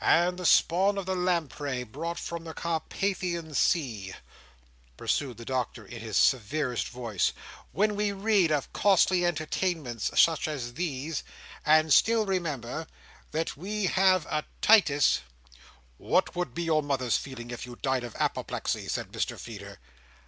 "And the spawn of the lamprey, brought from the Carpathian Sea," pursued the Doctor, in his severest voice; "when we read of costly entertainments such as these, and still remember, that we have a Titus—" "What would be your mother's feelings if you died of apoplexy!" said Mr Feeder.